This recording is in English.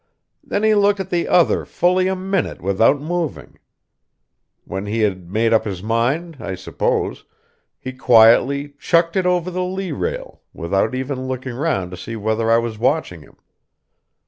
Then he looked at the other fully a minute without moving. When he had made up his mind, I suppose, he quietly chucked it over the lee rail, without even looking round to see whether I was watching him.